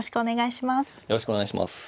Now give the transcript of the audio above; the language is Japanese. よろしくお願いします。